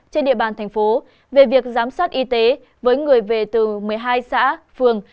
trên địa bàn tp về việc giám sát y tế với người về từ một mươi hai xã phường